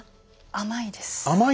甘いです。